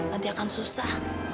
nanti akan susah